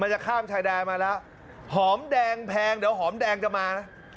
จะข้ามชายแดนมาแล้วหอมแดงแพงเดี๋ยวหอมแดงจะมานะ